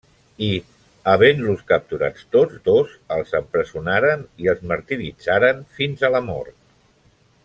I, havent-los capturats tots dos, els empresonaren i els martiritzaren fins a la mort.